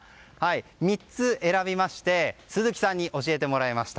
３つ選びまして鈴木さんに教えてもらいました。